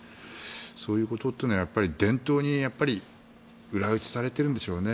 そういうことというのは伝統に裏打ちされているんでしょうね。